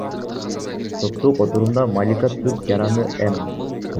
Соттук отурумда Малика түрк жараны М.